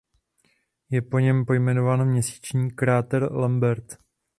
Je po něm pojmenován měsíční kráter Lambert.